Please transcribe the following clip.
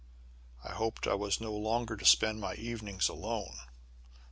I hoped I was no longer to spend my evenings alone.